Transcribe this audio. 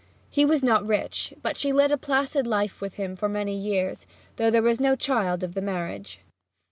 He was not rich, but she led a placid life with him for many years, though there was no child of the marriage.